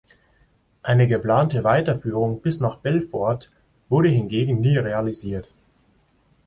Eine geplante Weiterführung bis nach Belfort wurde hingegen nie realisiert.